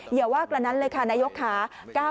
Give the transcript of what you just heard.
อย่าว่ากระนั้นเลยค่ะนายกค่ะ